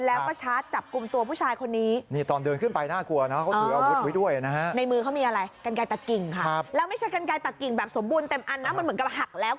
แล้วไม่ใช่กำไกลตัดกิ่งแบบสมบูรณ์เต็มอันนะมันเหมือนกับหักแล้ว